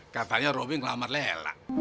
katanya robi ngelamar lela